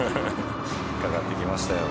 引っかかってきましたよ。